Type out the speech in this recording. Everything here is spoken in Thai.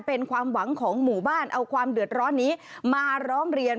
เป็นความหวังของหมู่บ้านเอาความเดือดร้อนนี้มาร้องเรียน